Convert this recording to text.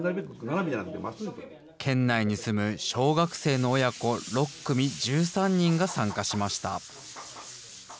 県内に住む小学生の親子６組１３人が参加しました。